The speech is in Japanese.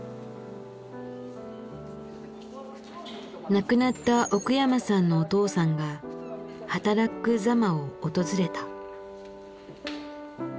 亡くなった奥山さんのお父さんがはたらっく・ざまを訪れた。